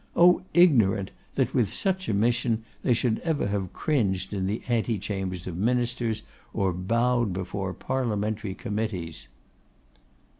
O, ignorant! that with such a mission they should ever have cringed in the antechambers of ministers, or bowed before parliamentary committees!